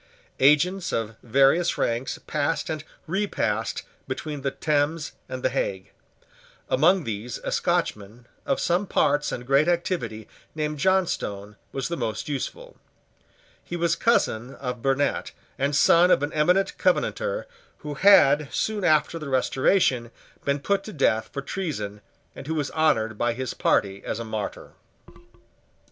Agents of various ranks passed and repassed between the Thames and the Hague. Among these a Scotchman, of some parts and great activity, named Johnstone, was the most useful. He was cousin of Burnet, and son of an eminent covenanter who had, soon after the Restoration, been put to death for treason, and who was honoured by his party as a martyr.